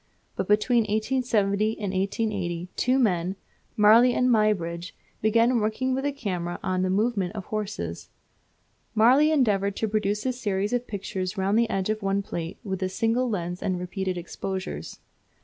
But between 1870 and 1880 two men, Marey and Muybridge, began work with the camera on the movements of horses. Marey endeavoured to produce a series of pictures round the edge of one plate with a single lens and repeated exposures.